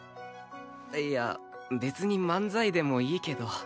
いや別に漫才でもいいけど。